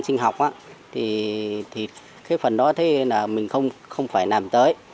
khi mình học thì cái phần đó mình không phải làm tới